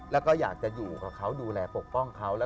แล้วก็อยากจะอยู่กับเขาดูแลปกป้องเขา